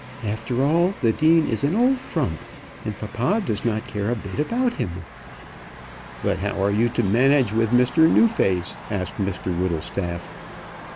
After all, the Dean is an old frump, and papa does not care a bit about him." "But how are you to manage with Mr Newface?" asked Mr Whittlestaff.